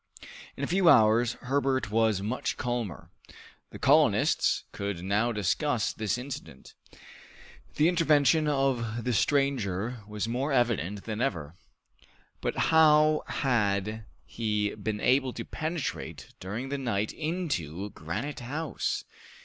In a few hours Herbert was much calmer. The colonists could now discuss this incident. The intervention of the stranger was more evident than ever. But how had he been able to penetrate during the night into Granite House?